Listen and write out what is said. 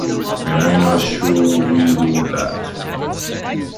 And I'm not sure we do that.